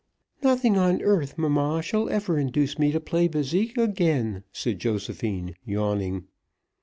"Nothing on earth, mamma, shall ever induce me to play bésique again," said Josephine, yawning.